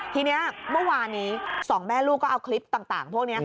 ทีนี้เมื่อวานนี้สองแม่ลูกก็เอาคลิปต่างพวกนี้